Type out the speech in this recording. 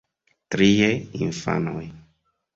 Trie, infanoj.